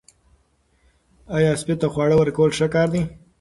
آیا سپي ته خواړه ورکول ښه کار دی؟